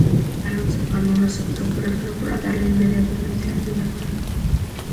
Alonso Cano lo aceptó pero solo para darle inmediatamente la libertad.